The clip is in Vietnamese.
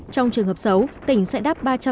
trong trường hợp xấu tỉnh sẽ đắp